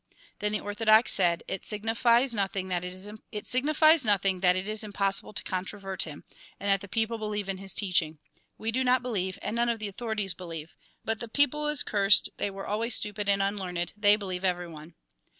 Then the orthodox said :" It signifies nothing that it is impossible to controvert him, and that the people believe in his teaching. We do not believe, and none of the authorities believe. But the people is cursed, they were always stupid and unlearned ; they believe everyone."